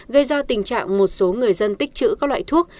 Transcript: gây ra tình trạng một số người dân tích chữ các loại thuốc